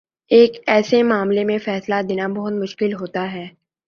ایک ایسے معاملے میں فیصلہ دینا بہت مشکل ہوتا ہے۔